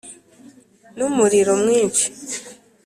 ni umuriro mwinshi.